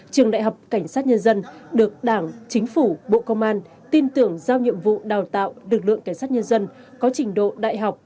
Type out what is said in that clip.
trường đại học cảnh sát nhân dân được đảng chính phủ bộ công an tin tưởng giao nhiệm vụ đào tạo lực lượng cảnh sát nhân dân có trình độ đại học